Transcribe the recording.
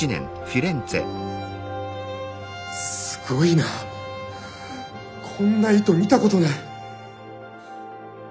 すごいなこんな糸見たことない。